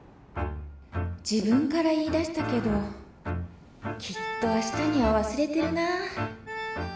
自分から言い出したけど、きっとあしたには忘れてるな。